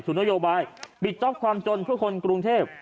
นโยบายปิดจ๊อปความจนเพื่อคนกรุงเทพ